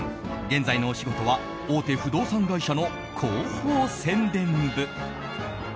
現在のお仕事は大手不動産会社の広報宣伝部。